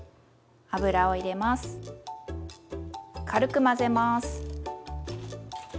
軽く混ぜます。